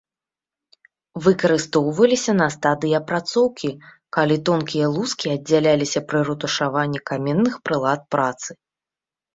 Выкарыстоўваліся на стадыі апрацоўкі, калі тонкія лускі аддзяляліся пры рэтушаванні каменных прылад працы.